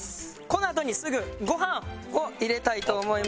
このあとにすぐご飯を入れたいと思います。